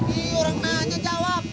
ih orang nanya jawab